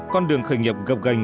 con đường khởi nghiệp gập gành